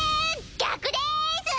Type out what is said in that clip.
逆です！